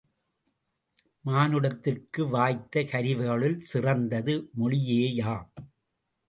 மானுடத்திற்கு வாய்த்த கருவிகளுள் சிறந்தது மொழியேயாம்!